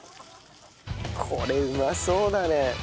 これうまそうだね。